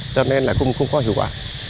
cho nên là cũng không có hiệu quả